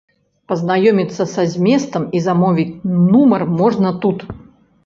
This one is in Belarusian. Пазнаёміцца са зместам і замовіць нумар можна тут.